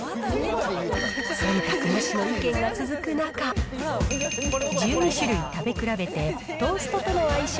そんたくなしの意見が続く中、１２種類食べ比べて、トーストとの相性